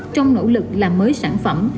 trong nỗ lực làm mới sản phẩm